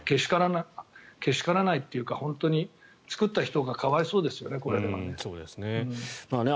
けしからんというか本当に作った人が可哀想ですよね、これでは。